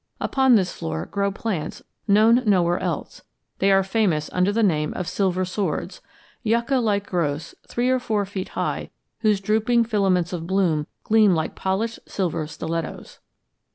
Upon this floor grow plants known nowhere else; they are famous under the name of Silver Swords yucca like growths three or four feet high whose drooping filaments of bloom gleam like polished silver stilettos.